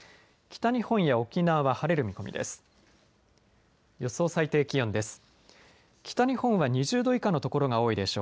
北日本や沖縄は晴れる見込みです。